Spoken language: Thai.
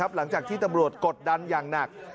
หลังจากที่ตำรวจกดดันอย่างหนัก